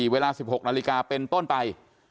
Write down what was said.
เวลา๑๖นาฬิกาเป็นต้นไป